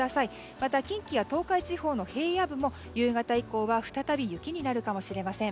また近畿や東海地方の平野部も夕方以降は再び雪になるかもしれません。